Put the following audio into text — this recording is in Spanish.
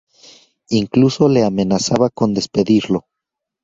Incluso le amenaza con despedirlo.